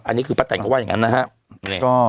อันนี้คือพระแต่งก็ว่าอย่างนั้นนะฮะ